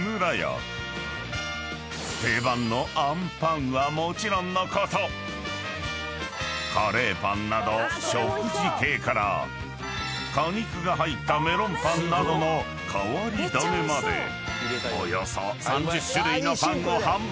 ［定番のあんぱんはもちろんのことカレーパンなど食事系から果肉が入ったメロンパンなどの変わり種までおよそ３０種類のパンを販売］